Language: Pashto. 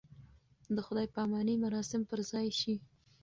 د خدای پامانۍ مراسم پر ځای شي.